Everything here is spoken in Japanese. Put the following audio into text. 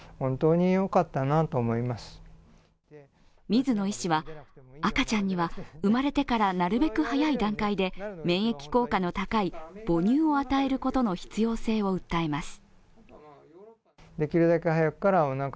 水野医師は、赤ちゃんには生まれてからなるべく早い段階で免疫効果の高い母乳を与えることの必要性を訴えます。